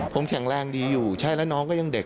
ผมแข็งแรงดีอยู่ใช่แล้วน้องก็ยังเด็ก